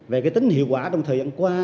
về cái tính hiệu quả trong thời gian qua